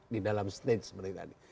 di dalam stage seperti tadi